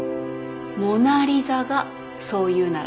モナ・リザがそう言うなら。